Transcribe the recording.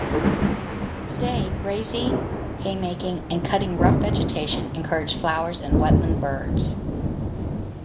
Today, grazing, haymaking and cutting rough vegetation encourage flowers and wetland birds.